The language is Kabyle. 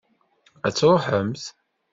Ad truḥemt?